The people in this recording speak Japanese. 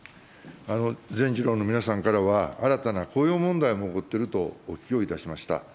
全受労の皆さんからは、新たな雇用問題も起こっているとお聞きをいたしました。